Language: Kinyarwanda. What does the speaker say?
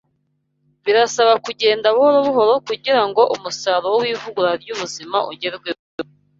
Bisaba kugenda buhoro buhoro kugira ngo umusaruro w’ivugurura ry’ubuzima ugerweho